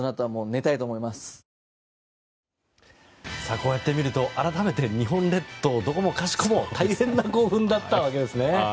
こうやって見ると改めて、日本列島どこもかしこも大変な興奮だったわけですね。